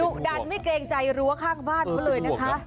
ดูดั่นไม่เกรงใจรั้วข้างบ้านครับเลย